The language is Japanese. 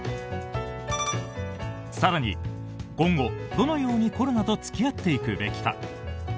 更に、今後どのようにコロナと付き合っていくべきか。